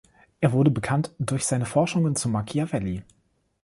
Er wurde bekannt durch seine Forschungen zu Machiavelli.